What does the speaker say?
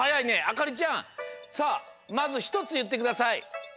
あかりちゃんさあまずひとついってください。